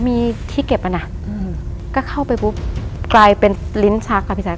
มีที่เก็บอ่ะนะก็เข้าไปปุ๊บกลายเป็นลิ้นชักค่ะพี่แจ